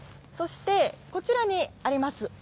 そして、こちらにあります